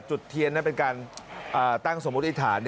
จุดเทียนเป็นการตั้งสมมุติอธิษฐาน